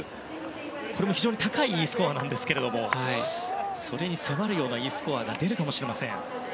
これも非常に高いＥスコアですがそれに迫るようなＥスコアが出るかもしれません。